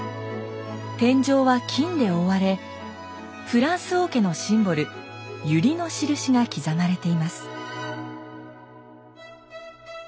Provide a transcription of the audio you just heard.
天井は金で覆われフランス王家のシンボル百合の印が刻まれています。